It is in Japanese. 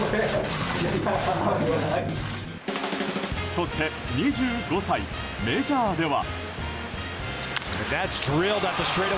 そして２５歳、メジャーでは。